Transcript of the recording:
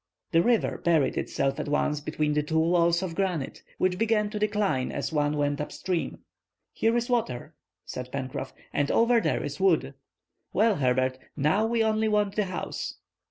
The river buried itself at once between the two walls of granite, which began to decline as one went up stream. "Here is water," said Pencroff, "and over there is wood. Well, Herbert, now we only want the house."